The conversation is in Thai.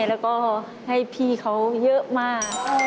แล้วก็ให้พี่เขาเยอะมาก